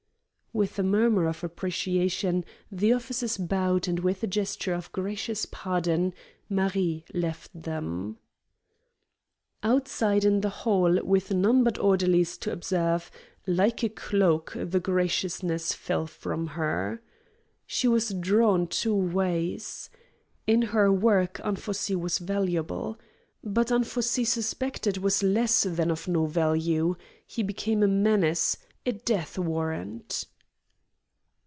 With a murmur of appreciation the officers bowed and with a gesture of gracious pardon Marie left them. Outside in the hall, with none but orderlies to observe, like a cloak the graciousness fell from her. She was drawn two ways. In her work Anfossi was valuable. But Anfossi suspected was less than of no value; he became a menace, a death warrant.